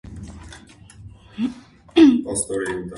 Օրենսդրությամբ ամրագրված իրավունքների համախումբ։